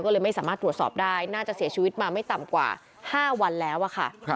ก็เลยไม่สามารถตรวจสอบได้น่าจะเสียชีวิตมาไม่ต่ำกว่า๕วันแล้วอะค่ะ